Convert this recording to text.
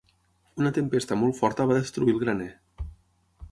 Una tempesta molt forta va destruir el graner.